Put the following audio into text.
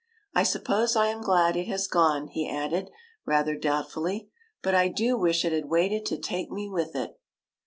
I suppose I am glad it has gone," he added rather doubtfully, '' but I do wish it had waited to take me with it."